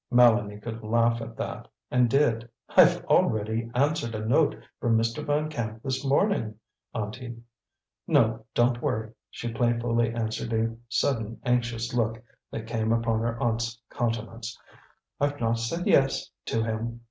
Mélanie could laugh at that, and did. "I've already answered a note from Mr. Van Camp this morning; Auntie. No, don't worry," she playfully answered a sudden anxious look that came upon her aunt's countenance, "I've not said 'yes' to him.